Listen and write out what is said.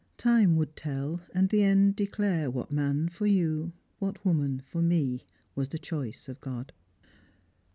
Time would tell, And the end declare what man for you, What woman for me, was the choice of God."